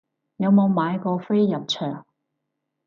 有冇買過飛入場